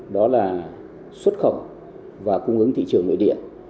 đó là xuất khẩu và cung ứng thị trường nội địa